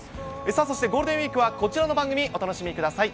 そして、ゴールデンウィークはこちらの番組、お楽しみください。